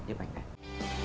tiếp ảnh này